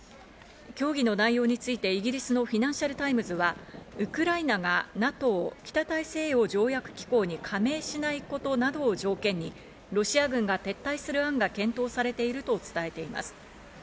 協議の内容についてイギリスのフィナンシャルタイムズは、ウクライナがＮＡＴＯ＝北大西洋条約機構に加盟しないことなどを条件にロシア軍が撤退する案が検討されていると伝えています。